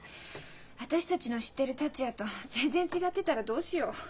私たちの知ってる達也と全然違ってたらどうしよう？